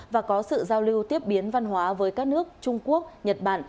và có sự giao lưu tiếp biến văn hóa với các nước trung quốc nhật bản